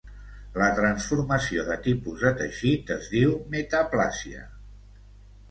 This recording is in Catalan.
La transformació de tipus de teixit es diu metaplàsia.